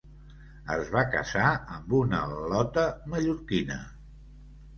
Es va casar amb una al•lota mallorquina.